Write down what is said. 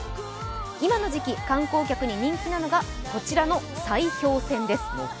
今の時期、観光客に人気なのがこちらの砕氷船です。